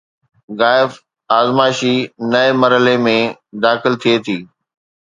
GAIF آزمائشي ٽئين مرحلي ۾ داخل ٿئي ٿي